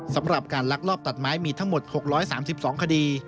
สำหรับการลักลอบตัดไม้มีทั้งหมด๖๓๒คดี